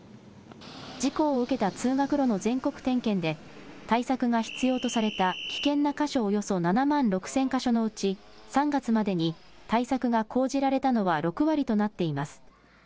事故を受けた通学路の全国点検で、対策が必要とされた危険な箇所およそ７万６０００か所のうち、３月までに対策が講じられたのは６割となっています。